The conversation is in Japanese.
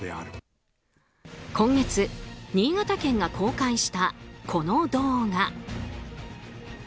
今月、新潟県が公開したこの動画。